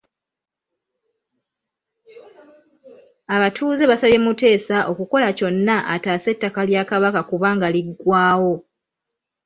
Abatuuze basabye Muteesa okukola kyonna ataase ettaka lya Kabaka kubanga liggwaawo.